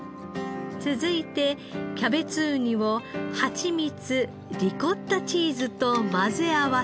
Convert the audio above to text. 続いてキャベツウニをハチミツリコッタチーズと混ぜ合わせ